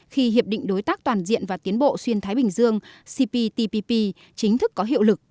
khi hiệp định đối tác toàn diện và tiến bộ xuyên thái bình dương cptpp chính thức có hiệu lực